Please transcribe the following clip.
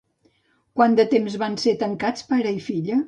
Quant de temps van ser tancats pare i filla?